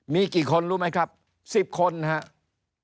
มีกี่คนรู้ไหมครับ๑๐คนนะครับ